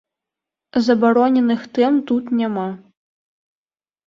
Забароненых тэм тут няма.